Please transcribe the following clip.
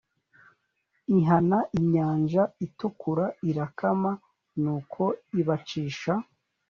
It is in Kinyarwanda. ihana inyanja itukura irakama nuko ibacisha